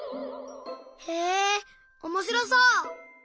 へえおもしろそう！